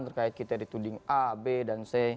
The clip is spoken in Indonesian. terkait kita dituding a b dan c